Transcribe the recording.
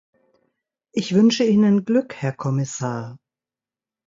Ich wünsche Ihnen Glück, Herr Kommissar!